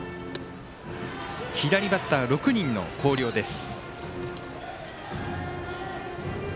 左バッター、６人の広陵です。